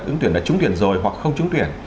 ứng tuyển đã trúng tuyển rồi hoặc không trúng tuyển